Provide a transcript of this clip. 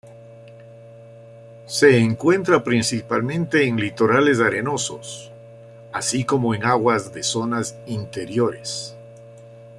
Se encuentra principalmente en litorales arenosos, así como en aguas de zonas interiores.